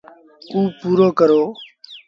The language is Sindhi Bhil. اُ پورو ڪرو۔